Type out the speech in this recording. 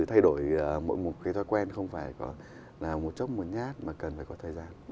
thay đổi mỗi một cái thói quen không phải là một chốc một nhát mà cần phải có thời gian